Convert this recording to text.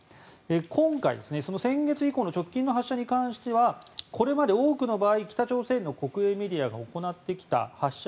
今回、先月以降の直近の発射に関してはこれまで多くの場合北朝鮮の国営メディアが行ってきた発射